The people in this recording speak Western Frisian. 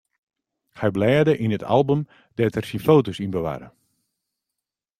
Hy blêde yn it album dêr't er syn foto's yn bewarre.